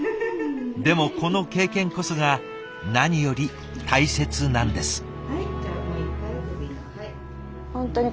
でもこの経験こそが何より大切なんです。